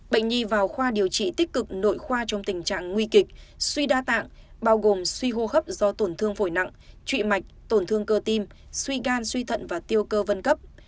bệnh nhi vào khoa điều trị tích cực nội khoa trong tình trạng nguy kịch suy đa tạng bao gồm suy hô hấp do tổn thương phổi nặng trụy mạch tổn thương cơ tim suy gan suy thận và tiêu cơ vân cấp